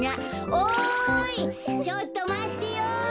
おいちょっとまってよ。